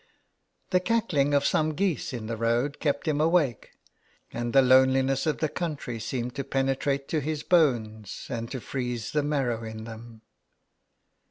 The cackling of some geese in the road kept him awake, and the loneliness of the country seemed to penetrate to his bones, and to freeze the marrow in them.